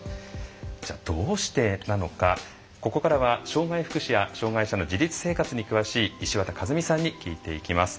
じゃあどうしてなのかここからは障害福祉や障害者の自立生活に詳しい石渡和実さんに聞いていきます。